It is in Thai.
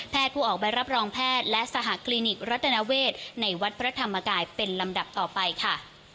ผู้ออกใบรับรองแพทย์และสหคลินิกรัฐนาเวศในวัดพระธรรมกายเป็นลำดับต่อไปค่ะ